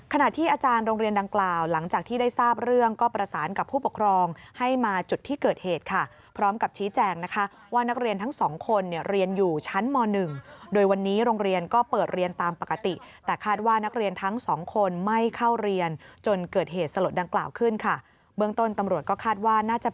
ขณะที่อาจารย์โรงเรียนดังกล่าวหลังจากที่ได้ทราบเรื่องก็ประสานกับผู้ปกครองให้มาจุดที่เกิดเหตุค่ะพร้อมกับชี้แจงนะคะว่านักเรียนทั้งสองคนเนี่ยเรียนอยู่ชั้นม๑โดยวันนี้โรงเรียนก็เปิดเรียนตามปกติแต่คาดว่านักเรียนทั้งสองคนไม่เข้าเรียนจนเกิดเหตุสลดดังกล่าวขึ้นค่ะเบื้องต้นตำรวจก็คาดว่าน่าจะ